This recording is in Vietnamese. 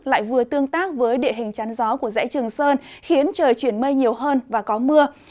lại vừa tương tác với địa hình chắn gió của dãy trường sơn khiến trời chuyển mây nhiều hơn và có mưa